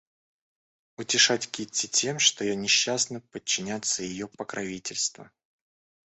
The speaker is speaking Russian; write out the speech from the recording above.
Утешать Кити тем, что я несчастна, подчиняться ее покровительству?